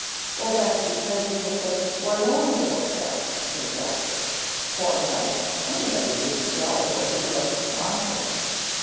"Well, that's because he was such a forlorn little chap," said Jasper; "poor mite, anybody would be dull where he wasn't wanted."